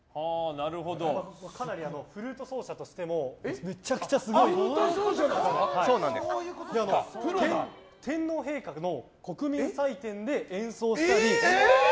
かなりフルート奏者としてもめちゃくちゃすごい人で天皇陛下の国民祭典で演奏したり。